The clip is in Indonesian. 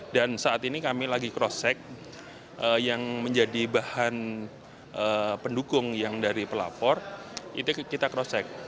dan saat ini kami lagi cross check yang menjadi bahan pendukung yang dari pelapor itu kita cross check